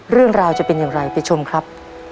เรื่องราวจะเป็นอย่างไรไปชมครับ